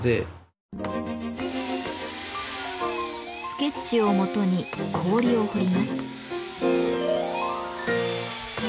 スケッチをもとに氷を彫ります。